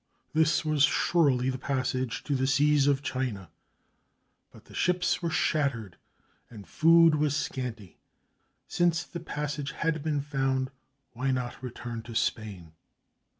This was surely the passage to the seas of China. But the ships were shattered and food was scanty. Since the passage had been found, why not return to Spain?